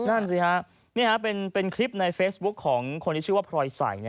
นั่นสิฮะเป็นคลิปในเฟซบุ๊คของคนที่ชื่อว่าพลอยใส่